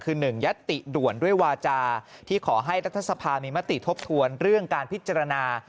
คือ๑ยัตติด่วนด้วยวาจาที่ขอให้รัฐสภามีมติทบทวนเรื่องการพิจารณา